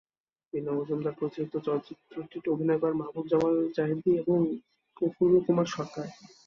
বিনয় মজুমদার পরিচালিত চলচ্চিত্রটিতে অভিনয় করেন মাহবুব জামাল জাহেদী এবং প্রফুল্লকুমার সরকার।